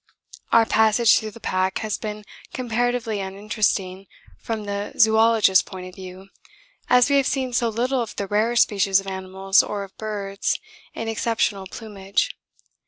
Our passage through the pack has been comparatively uninteresting from the zoologist's point of view, as we have seen so little of the rarer species of animals or of birds in exceptional plumage.